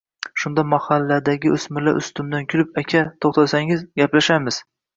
Shunda mahalladagi o'smirlar ustimdan kulib: "Aka, to'xtasangiz, gaplashasiz